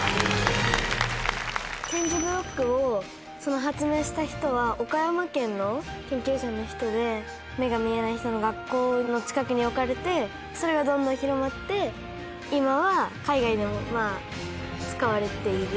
点字ブロックを発明した人は岡山県の研究者の人で目が見えない人の学校の近くに置かれてそれがどんどん広まって今は海外でもまぁ使われている。